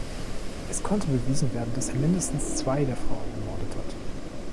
Es konnte bewiesen werden, dass er mindestens zwei der Frauen ermordet hat.